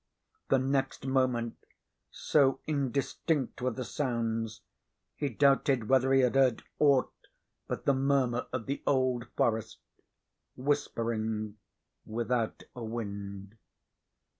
The next moment, so indistinct were the sounds, he doubted whether he had heard aught but the murmur of the old forest, whispering without a wind.